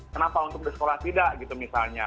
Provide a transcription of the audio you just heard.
kenapa untuk di sekolah tidak gitu misalnya